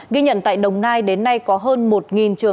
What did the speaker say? ghi nhận tại đồng nai đến nay có một trường hợp vi phạm